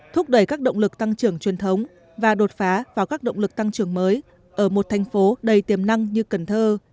thúc đẩy các động lực tăng trưởng truyền thống và đột phá vào các động lực tăng trưởng mới ở một thành phố đầy tiềm năng như cần thơ